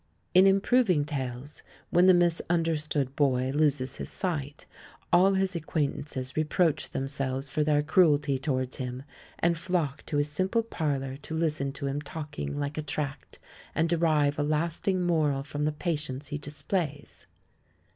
In improving tales, when the misunderstood boy loses his sight, all his acquaintances reproach themselves for their cruelty towards him and flock to his simple parlour to listen to him talking like a tract and derive a lasting moral from the patience he displays.